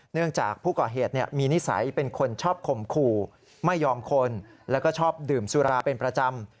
เนื่องจากผู้ก่อเหตุมีนิสัยเป็นคนชอบข่มขู่ไม่ยอมคนแล้วก็ชอบดื่มสุราเป็นประจำ